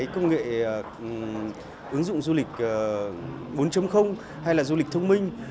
công nghệ ứng dụng du lịch bốn hay là du lịch thông minh